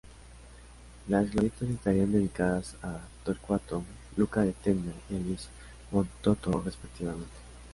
Las glorietas estarían dedicadas a Torcuato Luca de Tena y a Luis Montoto respectivamente.